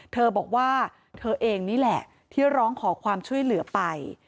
เธอบอกว่าเธอเองนี่แหละที่ร้องขอความช่วยเหลือไป